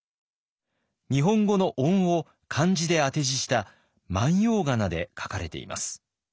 日本語の音を漢字で当て字した万葉仮名で書かれています。